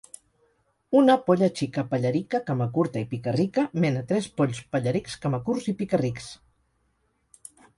Una polla xica, pellerica, camacurta i picarrica, mena tres polls pellerics camacurts i picarrics.